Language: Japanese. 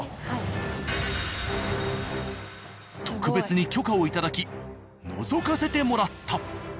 特別に許可を頂きのぞかせてもらった。